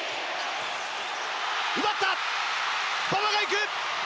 奪った、馬場がいく！